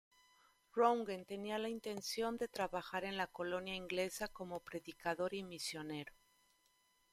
Roentgen tenía la intención de trabajar en la colonia inglesa como predicador y misionero.